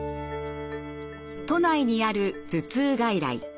都内にある頭痛外来。